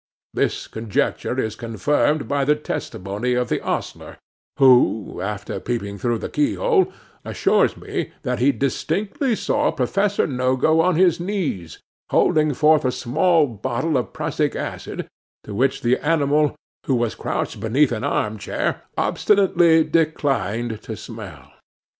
This conjecture is confirmed by the testimony of the ostler, who, after peeping through the keyhole, assures me that he distinctly saw Professor Nogo on his knees, holding forth a small bottle of prussic acid, to which the animal, who was crouched beneath an arm chair, obstinately declined to smell.